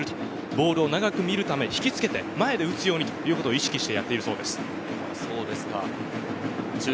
ボールを長く見るため、引きつけてということを意識してやっているそうです。